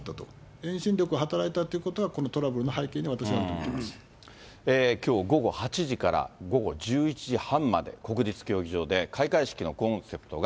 遠心力が働いたということは、このトラブルの背景に、私はあるときょう午後８時から午後１１時半まで、国立競技場で、開会式のコンセプトが。